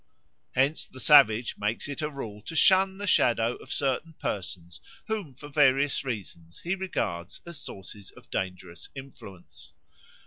Hence the savage makes it a rule to shun the shadow of certain persons whom for various reasons he regards as sources of dangerous influence.